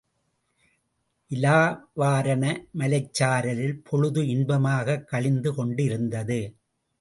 இலாவாரண மலைச்சாரலில் பொழுது இன்பமாகக் கழிந்து கொண்டிருந்தது.